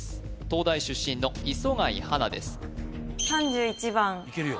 東大出身の磯貝初奈です